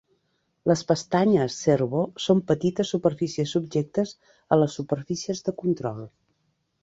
Les pestanyes servo són petites superfícies subjectes a les superfícies de control.